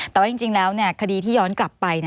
ตัวจริงขัดีที่ย้อนกลับไป